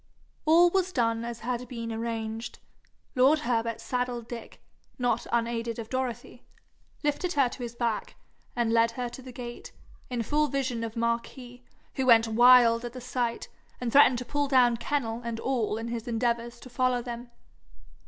All was done as had been arranged. Lord Herbert saddled Dick, not unaided of Dorothy, lifted her to his back, and led her to the gate, in full vision of Marquis, who went wild at the sight, and threatened to pull down kennel and all in his endeavours to follow them.